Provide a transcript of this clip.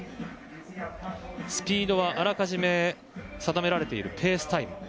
スピードはあらかじめ定められている定スタイル。